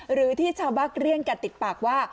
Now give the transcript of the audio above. หรือที่ชาวบ้านเรียกกันติดปากว่า